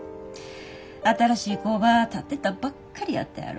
新しい工場建てたばっかりやったやろ。